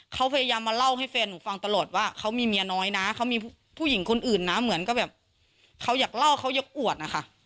เขาพยายามมาเล่าให้แฟนหนูฟังตลอดว่าเขามีเมียน้อยนะเขามีผู้หญิงคนอื่นนะเหมือนก็แบบเขาอยากเล่าเขาอยากอวดนะคะ